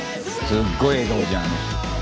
すっごい笑顔じゃん。